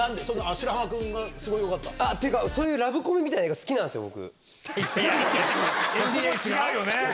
白濱君がすごいよかった？っていうか、そういうラブコメ映画が好きなんですよ、僕。